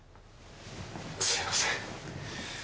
すいません